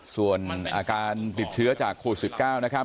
ส่วนอาการติดเชื้อจากโควิด๑๙นะครับ